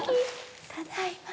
ただいま。